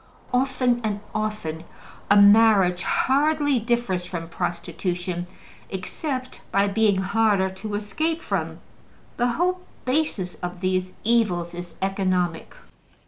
Often and often, a marriage hardly differs from prostitution except by being harder to escape from. The whole basis of these evils is economic.